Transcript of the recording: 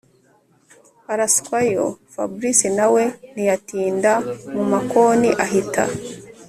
araswayo fabric nawe ntiyatinda mumakoni ahita